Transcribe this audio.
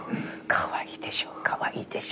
「かわいいでしょ？かわいいでしょ？」